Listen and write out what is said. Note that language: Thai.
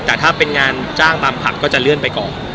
แต่ถ้าเป็นงานจ้างบางผัดก็จะเลื่อนไปก่อน